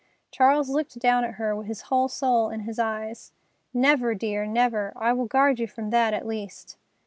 Charles looked down at her, his whole soul in his eyes. "Never, dear, never. I will guard you from that, at least."